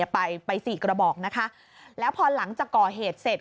ไปไปสี่กระบอกนะคะแล้วพอหลังจากก่อเหตุเสร็จ